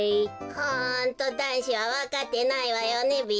ホントだんしはわかってないわよねべ。